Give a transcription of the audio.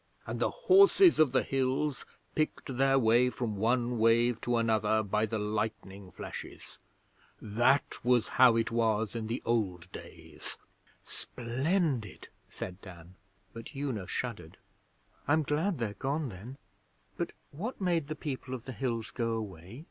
And the Horses of the Hills picked their way from one wave to another by the lightning flashes! That was how it was in the old days!' 'Splendid,' said Dan, but Una shuddered. 'I'm glad they're gone, then; but what made the People of the Hills go away?'